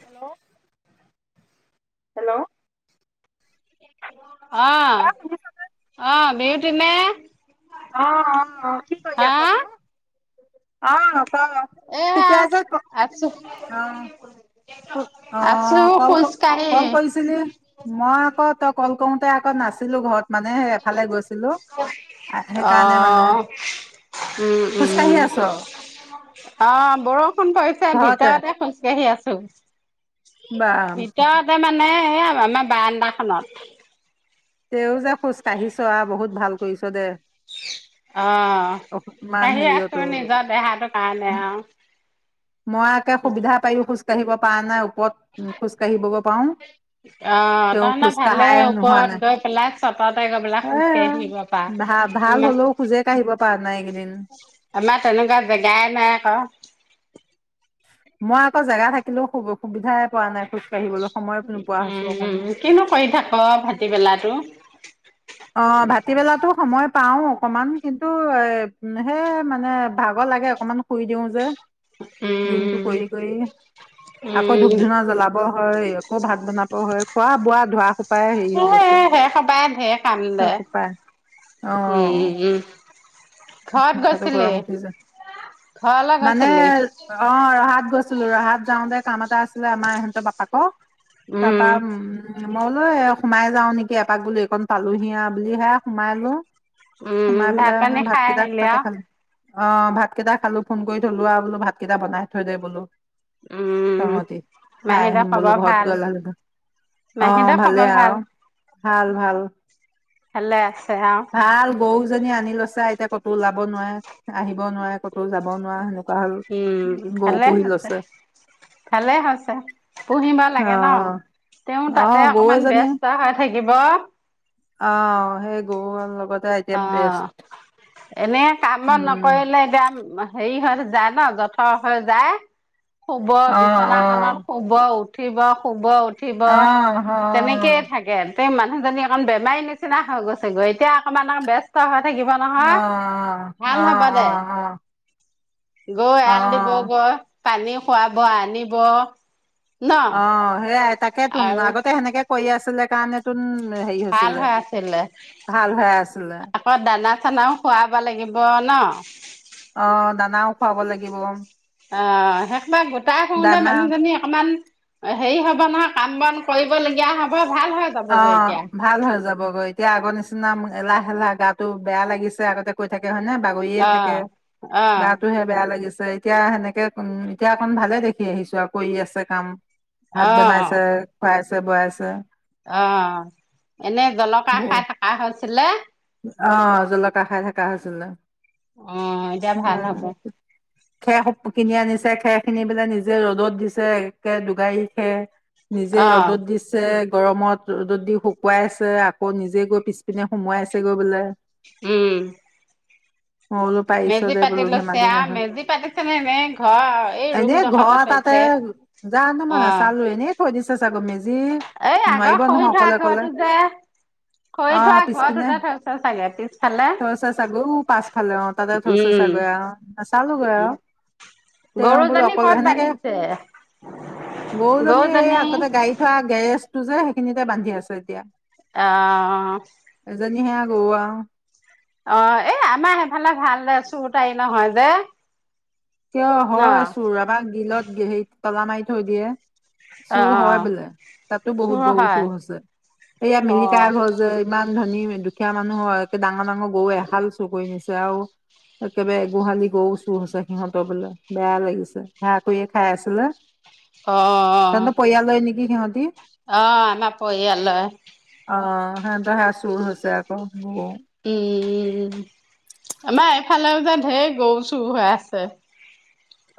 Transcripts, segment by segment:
Hello. Hello. অঁ, অ শুনিছ অঁ। পেহিতি নে অঁ অঁ-অঁ কি কৰি হা আছনো। অঁ ক, এয়া ঠিকে আছোঁ ক। আছো, অঁ। আছো অঁ, কল খোজ কাঢ়ি। কল কৰিছিলি মই আকৌ তই কল কৰোতে আকৌ নাছিলো ঘৰত মানে। এফালে গৈছিলো সেইকাৰণে মানে অঁ, খোজকাঢ়ি উম-উম আছ অঁ বৰষুণ পৰিছে ঘৰতে ভিতৰতে খোজকাঢ়ি আছোঁ। [unintelligible] বা এতিয়াতে মানে এই আমাৰ বাৰান্দা খনত। তেও যে খোজ কাঢ়িছ আও বহুত ভাল কৰিছ দে। অঁ, ইমান কাঢ়ি আছো হেৰিয়তো নিজৰ দেহাটো কাৰণে আৰু। মই আ একে সুবিধা পাইয়ো খোজ কাঢ়িব পৰা নাই ওপৰত খোজ কাঢ়িবগৈ পাৰো অঁ, তেওঁ তাৰমানে খোজ কঢ়াই ভালেই নোহোৱা ওপৰত নাই গৈ পেলাই চততে গৈ পেলাই এ খোজকাঢ়ি থাকিব ভা ভাল পাৰা, আ হলেও খোজে কাঢ়িব পৰা নাই এইকেইদিন আমাৰ তেনেকুৱা জেগাই নাই আকৌ। মই আকৌ জেগা থাকিলেও সু-সুবিধাই পোৱা নাই খুজ উম, কিনো কৰি থাক [unintelligible] বেলাটো। অঁ, ভাটিবেলাটো সময় পাও অকনমান কিন্তু এ সে মানে ভাগৰ লাগে অকমান শুই দিওঁ যে। দিনটো উম, কৰি কৰি, আকৌ উম, ধূপ ধূনা জ্বলাব হয় আকৌ ভাত বনাব হয় খোৱা বোৱা ধোৱা সোপাই [unintelligible] হে সবাই ঢেৰ কাম। দে। [unintelligible] অঁ উম, উম, ঘৰত মাথাটো গৈছিলি? গৰম উঠি যায়, ঘৰলৈ মানে গৈছিলি? অঁ ৰহাত গৈছিলো ৰহাত যাওঁতে কাম এটা আছিলে আমাৰ ইহঁতৰ বাপাকৰ। তাৰপা উম মইবুলো এ সোমাই যাও নেকি এপাক বুলি [unintelligible] পালোঁহি। বুলিহে সোমাইলো। উম ভাত পানী খাই আহিলি তাতে আৰু। খালো অ ভাতকেইটা খালো ফোন কৰি থলো আৰু বোলো ভাতকেইটা বনাই থৈ দে বোলো উম, তহঁতি খাই মাহীদেউৰ আহিম বোলো খবৰ ঘৰত ভাল? গৈ এলাহ লাগে, অঁ মাহীদেউৰ খবৰ ভালেই ভাল? আৰু ভাল ভাল। ভালে আছে আৰু? ভাল গৰুজনী আনি লৈছে। এতিয়া ক'তো ওলাব নোৱাৰে আহিব নোৱাৰে ক'তো যাব নোৱাৰা সেনেকুৱা হ'ল উম গৰু ভালেই পুহি হৈছে লৈছে ভালেই হৈছে পুহিব অ লাগে ন তেওঁ অ তাতে গৰু অকনমান ব্যস্ত হৈ থাকিব। কৰিব আহ সেই গৰু আৰু লগত অঁ এনে কামত উম নকৰিলে এতিয়া হেৰি হৈ। যায় ন জঠৰ হৈ যায় শুব অ অ বিচনাখনত শুব উঠ উঠিব শুব উঠি। উঠিব অ', তেনেকেইে অ', থাকে। মানুহজনী একণ বেমাৰি নিচিনা হৈ গৈছেগৈ এতিয়া। সমান ব্যস্ত হয়। থাকিবা নহয় অ', ভাল হব দে অ', গৰু এয়ালি দিব অ', কোৱা পানী খুৱাব আনিব ন অঁ সেইয়াই তাকে তো আৰু আগতে সেনেকৈ পঢ়ি আছিলে কাৰণ তোম ভাল হৈ আছিলে হৈ আছিলে আকৌ দানা দানাও খুৱাব লাগিব ন অঁ দানাও খুৱাব লাগিব অঁ শেষ বা গোটাই থওঁতে দানা মানুহজনী অকমান হেৰি হব নহয় কাম বন কৰিবলগীয়া হ'ব। ভাল হৈ যাবগৈ অঁ এতিয়া। ভাল হৈ যাব গৈ এতিয়া আগৰ নিচিনা এলাহলাহ গাত তো বেয়া লাগিছে আগতে কৈ থাকে থে হয়নে বাগৰিয়ে থাকে অ' অ' গাতোহে বেয়া লাগিছে এতিয়া সেনেকে উম এতিয়া অকণ ভালে দেখি আহিছো আৰু কৰি আছে কাম। ভাত অ' বনাাইছে খুৱোইছ আছে অঁ এনে জলকা খাই থকা হৈছে। ছিলে অঁ জলকীয়াৰ খাই থকা হৈছিল ন অ' এতিয়া উম ভাল হ'ব। কিনি আনিছে খেৰ খিনি বোলে নিজে ৰ'দত দিছে একে ডগাৰি খেৰ নিজে অ' ৰ'দত দিছে গৰমত যদি শুকুৱাই আছে আকৌ নিজে গৈ পিছপিনে সুমোৱাইছে চ গ বোলে উম মই বোলো পাৰিছো মেজি দে পাতি বোলো লৈছে ধেমালি আৰু নহয় মেজি পাতিছেনে নে নে ঘৰ এই ৰুম এনেই ডখৰতে ঘৰ তাতে থৈছে জানো মই অ' নাচালো এনেই থৈ দিছে চাগৈ মেজি এই নোৱাৰিব আগৰ খৰি নহয় থোৱা অকলে অকলে ঘৰটো যে অ খৰি থোৱা ঘৰত পিছপিনে উত থৈ থৈছে চাগ পাছফালে অ তাতে থৈছে উম চাগৈ নাচালো গৈ উম তেওঁ বোলো গৰুজনী অকল ক'ত সেনেকে বান্ধিছে? গৰু জনীও এই গৰুজনী আগতে গাড়ী থোৱা গেজ তোৰ যে সেইখিনিতে বান্ধি আছে এতিয়া আহ গোৱা অ এ আমাৰ সেইফালে ভাল দে চোৰটাই নহয় যে কিয় ন হয় আছোঁ ৰবা গিলত হেৰিত তলা মাই থৈ দিয়ে চুৰ হয় অ' বোলে তাতো বহুত গৰু চুৰ হৈছে এয়া মিলিকা অ' ঘৰ যে ইমান ধনী দুখীয়া মানুহৰ একে ডাঙৰ ডাঙৰ গৰু এহাল চুৰ কৰি নিছে আৰু একেবাৰে গোহালি গৰুও চুৰ হৈছে সিহঁতৰ বোলে বেয়া লাগিছে সেয়া কৰিয়ে খাই আছিলে অ অ অহ সিঁহতি অ আমাৰ পৰিয়ালয়ে অ সে চুৰ হৈছে আকৌ গৰু উম আমাৰ এইফালেও যে ঢেৰ গৰু চুৰ হৈ আছে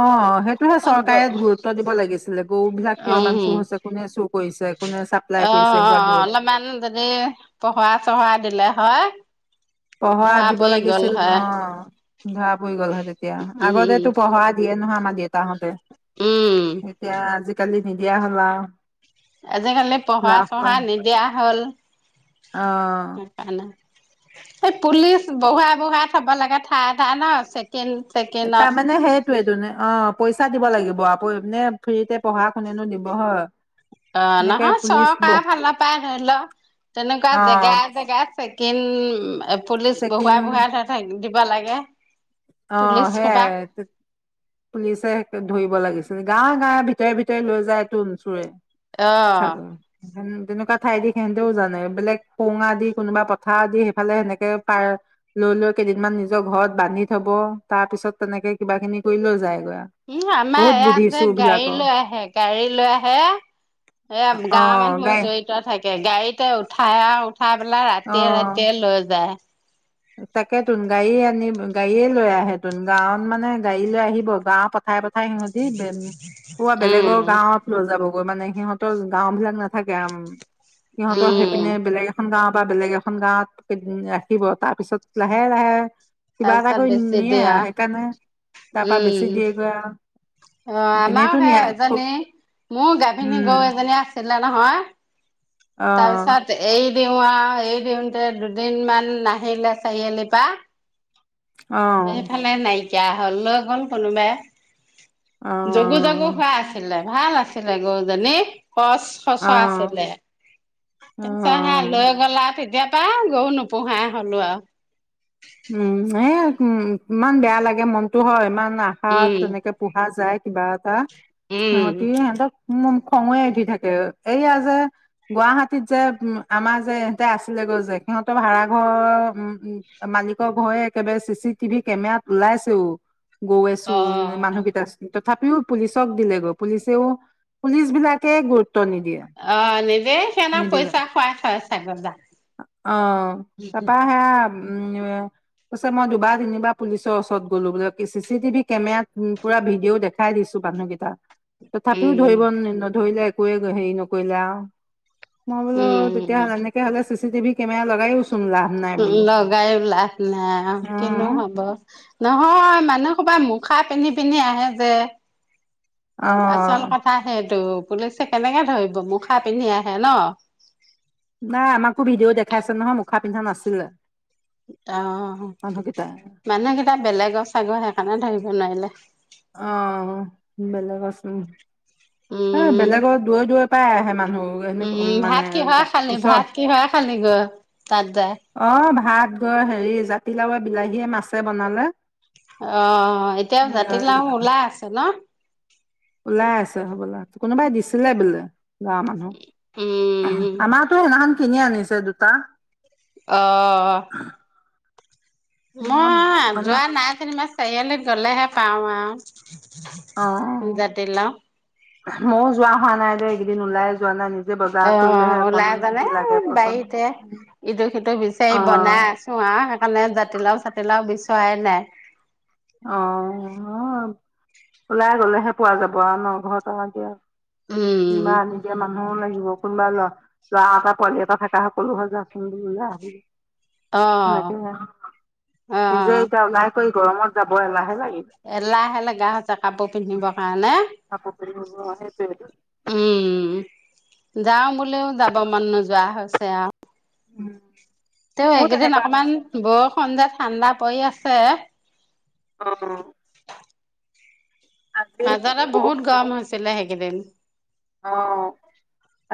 অ সেইটোহে ক'ত চৰকাৰে গ গুৰুত্ব দিব লাগিছিলে গৰু বিলাক কিয় ইমান চুৰ উম হৈছে কোনে চুৰ কৰিছে কোনে চাপ্লাই অ কৰিছে অ হোৱা দূৰত অলপমান যদি পহৱা চহৱা দিলে হয় পহৱা ধৰা দিব পৰি গ'ল লাগিছিল হয় অ ধৰা পৰি গ'ল হয় তেতিয়া উম আগতেটো পহৱা দিয়ে নহয় আমা তাহঁতে উম এতিয়া আজি কালি নিদিয়া হল আৱ আজিকালি পহৱা চহৱা নিদিয়া হ'ল অ সেইকাৰণে এই পুলিচ বহোৱাই বহোৱাই থব লাগে ঠায়ে ঠায়ে ন চে তাৰমানে সেইটোয়েইটো তোন অ পইচা দিব লাগিব প এনে ফ্ৰীতে বঢ়া কোনেনো দিব হয় অ এনেকে নহয় পুলিচ ব চৰকাৰে ভাল নাপায় ধৰি ল তেনেকুৱা অ জেগা জেগায়ে চে কিন পুলিচ চেকিং বহোৱাই বহোৱাই থ থাক দিব লাগে অ পুলিচ সোপা সেয়াই পুলিচে ধৰিব লাগিছিল গাঁৱে গাঁৱে ভিতৰে ভিতৰে লৈ যায় তোন চুৰে অহ তেনেকুৱা ঠাই দি সেঁহতেও জানে বেলেগ সোঙা দি কোনোবা পথাৰ দি সেইফালে সেনেকে পাৰ লৈ লৈ কেইদিন মান নিজৰ ঘৰত বান্ধি থব তাৰ পিছত তেনেকে কিবা খিনি কৰি লৈ যায় উম আমাৰ ইয়াত যে গাড়ী লৈ আহে গাড়ী লৈ আহে এ অ গাঁৱৰ মানুহো গাই জড়িত থাকে গাড়ীতে উঠাই আৰু উঠাই পেলাই ৰাতিয়ে ৰাতিয়ে লৈ যায়। তাকে তোন গাড়ীয়ে আন গাড়ীয়ে লৈ আহে তন গাঁৱত মানে গাড়ী লৈ আহিব, গাঁও পথাৰ প কাই সিহতি বে, পুৱা উম বেলেগৰ গাঁৱত লৈ যাব। মানে সিহঁতৰ গাও বিলাক নাথাকে আম সিহঁতৰ উম সেইপিনে বেলেগ এখন দাম বা বেলেগ এখন গাঁৱত উ ৰাখিব তাত। ত পিছত লাহে লাহে তাৰপিছত কৰি বেছি নিয়ে দিয়া, আৰু সেইকাৰণে তাৰ পৰা বেছি দিয়েগৈ আৰু উম অ আমাৰ এনেইতো সেই নিয়া এজনী, মোৰ গাভিনী গৰু উম এজনী আছিলে নহয়, অ তাৰপিছত এই দিওঁ আৰু এ দিওঁতে দুদিন মান নাহিলে, চাৰিআলিৰ পৰা অ সেইফালে নাই তেতিয়া হলওঁ গ'ল কোনোবাই অ যোগু যগু খোৱা আছিলে। ভাল আছিলে গৰুজনী। খচ খচ অ আছিলে, অ তাৰপিছত সে লৈ গলা তেতিয়া পা গৰু নোপোহা হলো আৰু। উম এ উম ইমান বেয়া লাগে মনতো হয় ইমান। আশা আৰু উম তেনেকে পোহা যায়। কিবা এটা সিহঁতি, উম সেহতক উম, খঙয়ে উঠি থাকে এইয়া যে গুৱাহাটীত যে, উম আমাৰ যে ইহতে আছিলে গৈ যে সিহঁতৰ ভাৰাঘৰ উম। মালিকৰ ভয়ে একেবাৰে চি চি টিভি কেমেৰাত ওলাইছেও। গৈ আছো অ মানুহকেইটা আছিল তথাপিও পুলিচক দিলেগৈ, পুলিচেও পুলিচ বিলাকে নিদিয়ে অ নিজেই শেনা নিদিলে। পইচা খাই খাই চাগৰ জা অ তাৰপা সেয়া উম, পিছে মই দুবাৰ তিনিবাৰ পুলিচৰ ওচৰত গলো, বোলে কি চি চি টিভি কেমেৰাত পুৰা ভিডিঅও দেখাই দিছো মানুহকেইটা তথাপিও উম ধৰিব নি নধৰিলে কৈ গৈ হেৰি নকৰিলে আও। মই বোলো উম উম উম তেতিয়াহলে এনেকে হলে চি চি টিভি কেমেৰা লগাই চোন লাভ নাই বোলো। লগায়ো লাভ নাই, অ কিনো হব নহয় মানুহ কোবা মুখা পিন্ধি পিন্ধি আহে যে অ আচল কথা সে টো পুলিচে কেনেকে ধৰিব মুখা পিন্ধি আহে ন নাই আমাকো ভিডিঅ' দেখাইছে নহয় মুখা পিন্ধা নাচিলে অ মানুহকেইটা বেলেগৰ চাগৈ সেইকাৰণে ধৰিব নোৱাৰিলে অ বেলেগ চোন হা উম বেলেগৰ দূৰত দূৰত পাই আহে মানুহ উম সেনেকুৱা মানে ভাত কিহৰে খালি ওচৰ ভাত কিহৰে খালি গৈ তাত যায় অ ভাত ৰ হেৰি জাতিলাওৱে বিলাহী হে মাছে বনালে অ এতিয়াও জাতিলাও ওলাই আছে ন ওলাই আছে হ'বলা কোনোবাই দিছিলে বোলে গাঁৱৰ মানুহ উম আমাৰতো সেইনাখন কিনি আনিছে দুটা অহ মই যোৱা নাই কেনিবা চাৰিআলিত গলেহে পাওঁ আৱ জাতি লাউ উমহ যোৱা হোৱা নাই দে এইকেইদিন ওলাই যোৱা নাই নিজে অ বজাৰ কৰিলেহে অকণ ওলাই জানে যি লাগে বাৰীতে পচন্দ ইটো সিটো অ তিলাও চাটি লাও বিচৰাই নাই অ ওলাই গ'লেহে পোৱা যাব আৱ ন ঘৰত আৱ কি আৱ উম কিমান এতিয়া মানুহ লা কোনোবা ল ল'ৰা এটা পোৱালি এটা থকা সকলো হৈ যা চোন বোলো ওলাই আহিবি অ সেনেকেই, অ নিজে এতিয়া ওলাই কৰি - - গৰমত। যাব এলাহে লাগে! এলাহে লগা হৈছে কাপোৰ পিন্ধিবৰ কাৰণে। কাপোৰ পিন্ধি সেইটোৱেটো উম যাওঁ বুলিও, যাব মন নোযোৱা হৈছে আৱ উম তেওঁ মোৰ এইকেইদিন তেনেকুৱা অকমান হৈছে বৰষুণ যে ঠাণ্ডা পৰি আছে। অ'। আজি মাজতে, বৰষুণ বহুত গৰম হৈছিলে। কেইদিন অ'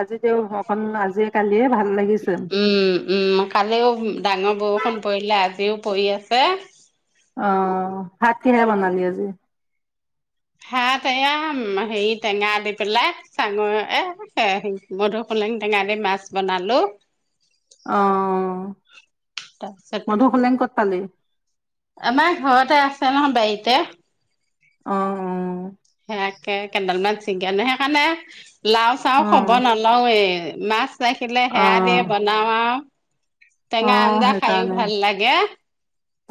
আজি তেওঁ ঘৰখন আজিয়ে, কালি উম, উম, কালিও ডাঙৰ বৰষুণ পৰিলে। আজিও পৰি আছে। অ' ভাত কিহেৰে বনালি আজি? হা' টেঙা, হেৰি টেঙা দি পেলাই, চাংমৰা এ' মধুসোলেং টেঙা দি মাছ বনালো। অ'। তাৰপিছত মধুসোলেং ক'ত পালি? আমাৰ ঘৰতে আছে নহয়, বাৰীতে। অ' উম। সেয়াকে, কেইডাল মান, চিগা [unintelligible] সেইকাৰণে অ লাও-চাও, খব নলৱে মাছ। ৰাখিলে অ সেয়া দিয়ে, বনাও আৰু। টেঙা অ' আঞ্জা খাইও সেইকাৰণে, ভাল লাগে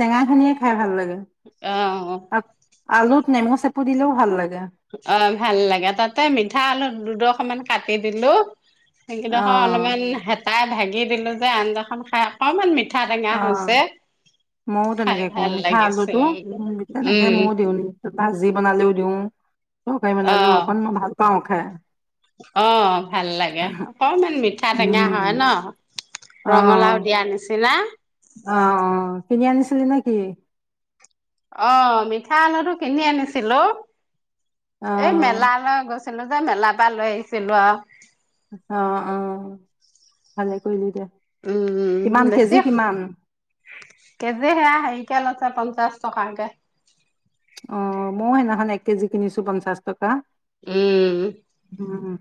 টেঙাখিনিয়ে খাই ভাল লাগে। অ আলুত নেমু চেপু দিলেও ভাল লাগে। অ' ভাল লাগে, তাতে মিঠা আলু দুডখ অকমান কাটি দিলো। অ সেইকেইডোখৰ, অলপমান হে তাই ভাগি দিলো যে, আঞ্জাখন খাই অকণমান, মিঠ অ' মইও খাই তেনেকে কওঁ, ভাল মিঠা লাগিছে আলুটো, তেনেকে উম ময়ো দিওঁ, ভাজি বনালেও দিওঁ। তৰকাৰী বনালেও অ' অকণমান ভাল পাওঁ খায়। অ' ভাল লাগে। অকণমান মিঠা-টেঙা উম হয় ন? অ ৰঙালাও দিয়া নিচিনা। অ' অ'। কিনি আনিছিলি নে কি? অ' মিঠা আলুটো কিনি আনিছিলো। এই অ মেলালৈ গছ ছিলো যে মেলাৰ পৰা লৈ আহিছিলো আও। অ' অ' ভালে কৰিলি দে। উম কিমান কেজি বেছি [unintelligible] কিমান কেজি সেয়া হেৰি কেলছে পঞ্চাশ টকাকে। অ' মইও সেইদিনাখন এক কেজি কিনিছো, পঞ্চাশ টকা। উম। উম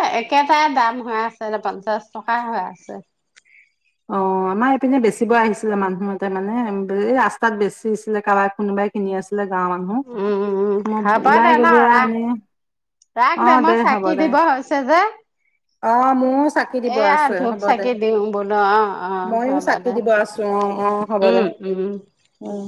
এ, একেটাই দাম হৈ আছে। [unintelligible] পঞ্চাছ টকাই হৈ আছে। অ' আমাৰ এইপিনে বেচিব আহিছিলে মানুহ এটাই মানে, ৰাস্তাত বেছি আছিলে কাৰোবাক, কোনোবাই কিনি আছিল। উম হব ওলাই দে ন গলো আৰু ৰাখ। এনে ৰাখ অ দে মই হ'ব চাকি দে দিব হৈছে যে, অ মোৰো চাকি দিব এয়া ধূপ চাকি দিওঁ বোলো অ। অ', ময়ো হ'বা দে চাকি দিব আছো আহ আহ হ'ব দে, উম, উম। উম